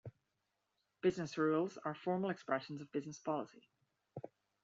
Business rules are formal expressions of business policy.